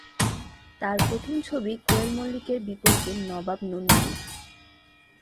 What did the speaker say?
তার প্রথম ছবি কোয়েল মল্লিকের বিপরীতে "নবাব নন্দিনী"।